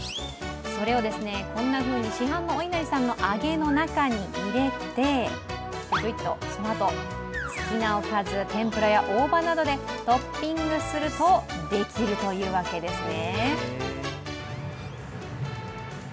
それをこんなふうに市販のおいなりさんの揚げの中に入れて、そのあと、好きなおかず、天ぷらや大葉などでトッピングするとできるというわけですね。